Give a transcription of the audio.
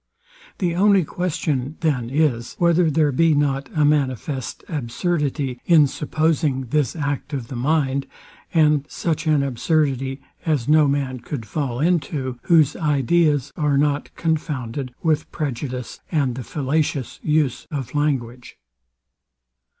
The only question then is, whether there be not a manifest absurdity in supposing this act of the mind, and such an absurdity as no man could fall into, whose ideas are not confounded with prejudice and the fallacious use of language.